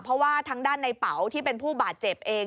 เพราะว่าทางด้านในเป๋าที่เป็นผู้บาดเจ็บเอง